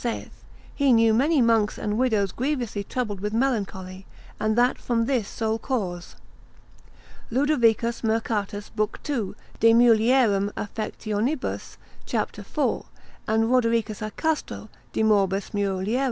18, saith, He knew many monks and widows grievously troubled with melancholy, and that from this sole cause. Ludovicus Mercatus, l. 2. de mulierum affect. cap. 4, and Rodericus a Castro, de morbis mulier.